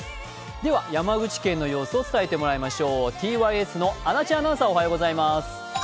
では山口県の様子を伝えてもらいましょう。